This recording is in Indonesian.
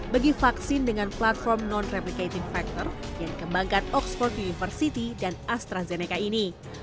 bagi vaksin dengan platform non replicating factor yang dikembangkan oxford university dan astrazeneca ini